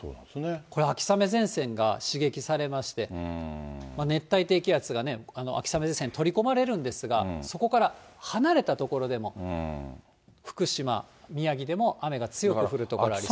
これ秋雨前線が刺激されまして、熱帯低気圧がね、秋雨前線取り込まれるんですが、そこから離れた所でも、福島、宮城でも雨が強く降る所がありそうです。